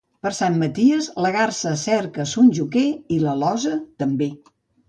Per Sant Maties, la garsa cerca son joquer i, l'alosa, també.